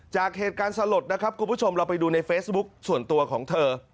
จากเหตุการณ์สลดนะครับคุณผู้ชมเราไปดูในเฟซบุ๊คส่วนตัวของเธอ